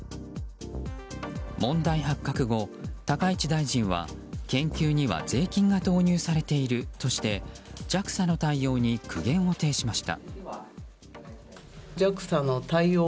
問題発覚後、高市大臣は研究には税金が投入されているとしてＪＡＸＡの対応に苦言を呈しました。